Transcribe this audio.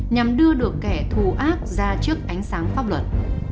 nhằm đưa được kẻ thù ác ra trước ánh sáng pháp luật